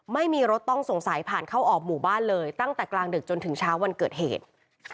ไม่มีรถต้องสงสัยผ่านเข้าออกหมู่บ้านเลยตั้งแต่กลางดึกจนถึงเช้าวันเกิดเหตุ